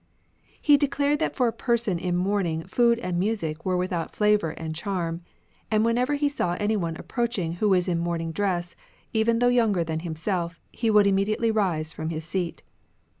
He declared that for a person in mourning food and music were without fiavour and charm ; and whenever he saw any one approaching who was in mourning dress, even though younger than himself, he would immediately rise from his seat.